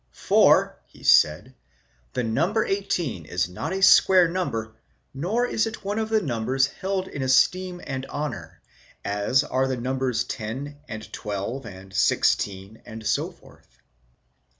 'For,' she said, "the number eighteen is ποῦ ἃ square number, nor is it one of the numbers held in esteem and honour, as are the numbers ten and twelve and sixteen and so forth."